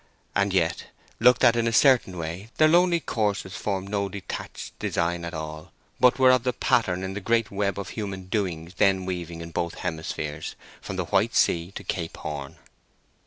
And yet, looked at in a certain way, their lonely courses formed no detached design at all, but were part of the pattern in the great web of human doings then weaving in both hemispheres, from the White Sea to Cape Horn.